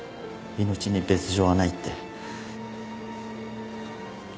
命に別条はないって。